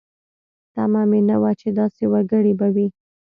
تمه مې نه وه چې داسې وګړي به وي.